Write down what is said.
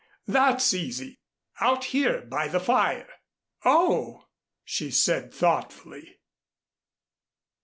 That's easy. Out here by the fire." "Oh!" she said thoughtfully.